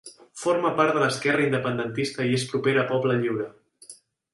Forma part de l'Esquerra Independentista i és propera a Poble Lliure.